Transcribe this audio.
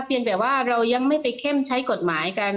เพียงแต่ว่าเรายังไม่ไปเข้มใช้กฎหมายกัน